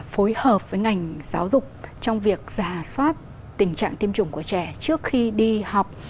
phối hợp với ngành giáo dục trong việc giả soát tình trạng tiêm chủng của trẻ trước khi đi học